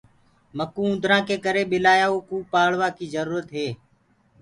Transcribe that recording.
مڪوُ اُوندرآ ڪي ڪري ٻلآيآ ڪوُ پآݪوآ ڪي جرُورت هي۔